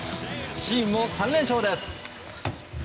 チームも３連勝です。